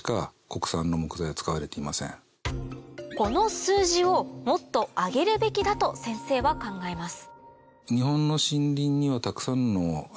この数字をもっと上げるべきだと先生は考えます